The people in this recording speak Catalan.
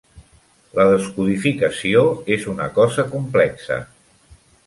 La descodificació és una cosa complexa.